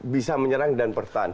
bisa menyerang dan bertahan